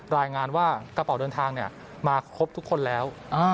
รายงานว่ากระเป๋าเดินทางมาครบทุกคนแล้ว